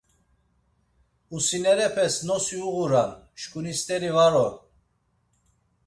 Husinerepes nosi uğuran, şkuni steri var oran.